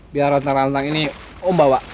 biar rantang rantang ini om bawa